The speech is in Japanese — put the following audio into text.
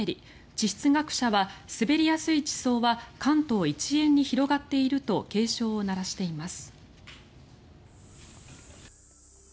地質学者は滑りやすい地層は関東一円に広がっていると警鐘を鳴らしています。